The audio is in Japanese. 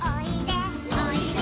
「おいで」